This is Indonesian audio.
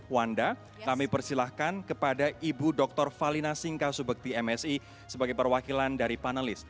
wanda kami persilahkan kepada ibu dr valina singka subekti msi sebagai perwakilan dari panelis